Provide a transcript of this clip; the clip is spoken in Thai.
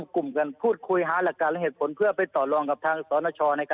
คือยังอยาก